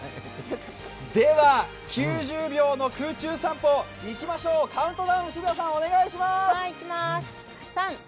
では９０秒の空中散歩いきましょう、カウントダウン、澁谷さんお願いします。